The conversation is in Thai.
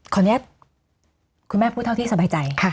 ขออนุญาตคุณแม่พูดเท่าที่สบายใจ